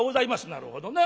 「なるほどな。